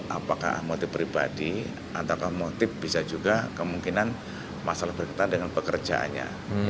apakah motif pribadi atau motif bisa juga kemungkinan masalah berkaitan dengan pekerjaannya